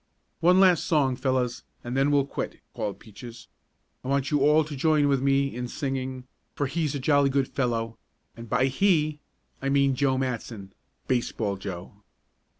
"One last song, fellows, and then we'll quit!" called Peaches. "I want you all to join with me in singing: 'For He's a Jolly Good Fellow,' and by 'He' I mean Joe Matson Baseball Joe!"